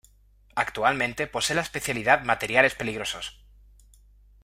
Actualmente posee la especialidad Materiales Peligrosos.